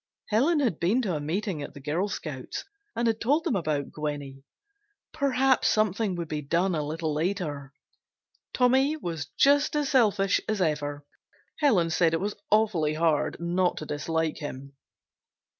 Helen had been to a meeting at the Girl Scouts and had told them about Gwenny. Perhaps something would be done a little later. Tommy was just as selfish as ever. Helen said it was awfully hard not to dislike him.